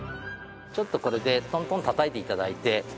ちょっとこれでトントンたたいて頂いて。